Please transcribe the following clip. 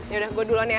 yaudah gue duluan ya